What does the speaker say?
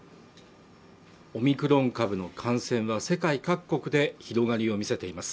オミクロン株の感染は世界各国で広がりを見せています